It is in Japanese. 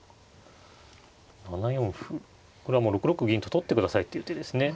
７四歩これはもう６六銀と取ってくださいっていう手ですね。